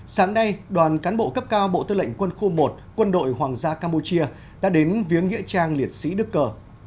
sáng nay đoàn cán bộ cấp cao bộ tư lệnh quân khu một quân đội hoàng gia campuchia đã đến viếng nghĩa trang liệt sĩ đức cờ